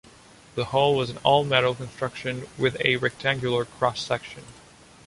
The hull was an all-metal construction with a rectangular cross-section.